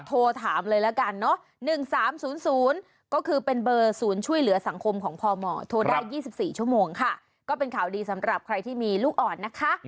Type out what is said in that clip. โทรถามเลยละกันเนอะ๑๓๐๐ก็คือเป็นเบอร์ศูนย์ช่วยเหลือสังคมของพมโทรได้๒๔ชั่วโมงค่ะก็เป็นข่าวดีสำหรับใครที่มีลูกอ่อนนะคะ